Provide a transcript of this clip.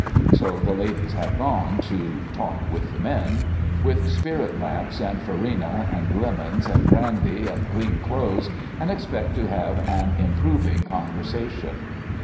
So the ladies have gone "to talk with the men," with spirit lamps, and farina, and lemons, and brandy, and clean clothes, and expect to have an improving conversation.